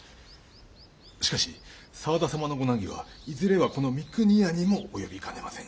しかし沢田様のご難儀はいずれはこの三国屋にも及びかねません。